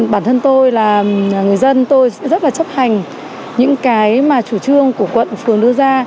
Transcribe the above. bản thân tôi là người dân tôi rất là chấp hành những cái mà chủ trương của quận phường đưa ra